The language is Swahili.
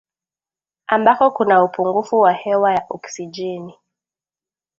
ambako kuna upungufu wa hewa ya oksijeni